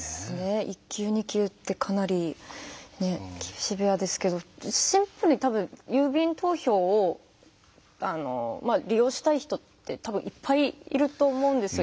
１級２級ってかなりシビアですけどシンプルに多分郵便投票を利用したい人って多分いっぱいいると思うんですよ。